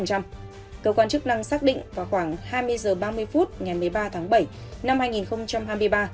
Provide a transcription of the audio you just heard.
cơ quan chức năng xác định vào khoảng hai mươi h ba mươi phút ngày một mươi ba tháng bảy năm hai nghìn hai mươi ba